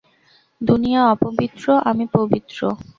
দুনিয়া অপবিত্র, আমি পবিত্র।